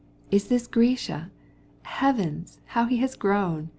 "Is this Grisha? Heavens, how he's grown!"